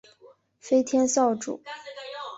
飞天扫帚。